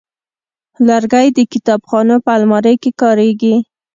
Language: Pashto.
لرګی د کتابخانو په الماریو کې کارېږي.